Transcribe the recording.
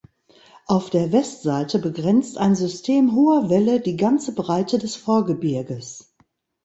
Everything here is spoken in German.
Auf der Westseite begrenzt ein System hoher Wälle die ganze Breite des Vorgebirges.